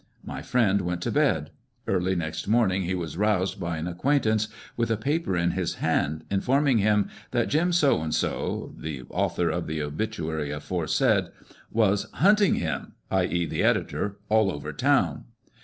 My friend went to bed. Early next morning he was roused by an acquaintance with a paper in his hand, inform ing him that Jim So and So (the author of the obituary aforesaid) " was hunting him (i.e. the editor) all over town."